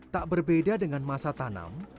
tak berbeda dengan masa tanam